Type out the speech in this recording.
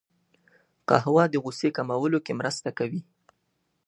قهوه د غوسې کمولو کې مرسته کوي